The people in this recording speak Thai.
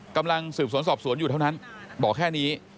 กำลังสืบสวนสอบสวนอยู่เท่านั้นบอกแค่นี้